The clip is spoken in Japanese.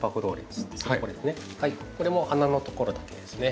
これも花のところだけですね。